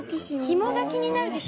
ひもが気になるね。